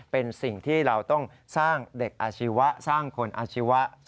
เป็นสิ่งที่เราต้องสร้างเด็กอาชีวะสร้างคนอาชีวะ